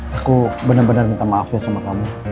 aku bener bener minta maaf ya sama kamu